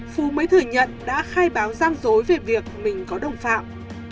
phú mới thừa nhận đã khai báo gian dối về việc mình có đồng phạm